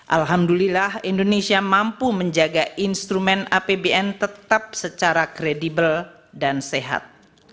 alhamdulillah indonesia mampu menjaga instrumen apbn tetap secara kredibel dan sehat